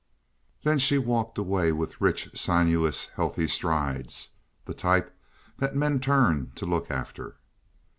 Then she walked away with rich, sinuous, healthy strides—the type that men turn to look after.